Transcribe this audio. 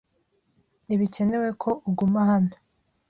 Ntibikenewe ko uguma hano.